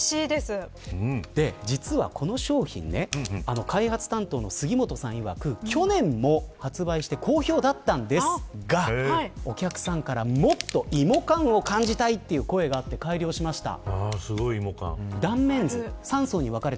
実は、この商品開発担当の杉本さんいわく去年も発売して好評だったんですがお客さんから、もっと芋感を感じたいという声があって改良しました。